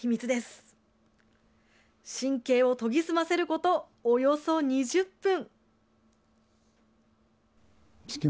神経を研ぎ澄ませることおよそ２０分。